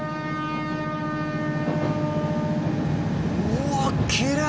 うわきれい！